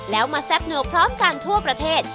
แล้วมาแซ่บนัวพร้อมกันทั่วประเทศ